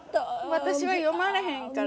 私は読まれへんから。